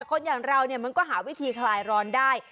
คนอย่างเราเนี่ยมันก็หาวิธีคลายร้อนได้